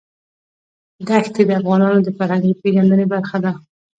دښتې د افغانانو د فرهنګي پیژندنې برخه ده.